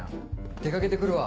出かけてくるわ。